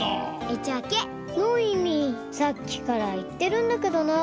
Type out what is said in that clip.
・さっきからいってるんだけどな。